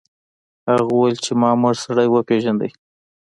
هغه وویل چې ما مړ سړی وپیژنده.